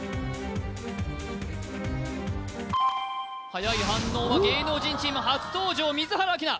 はやい反応は芸能人チーム初登場瑞原明奈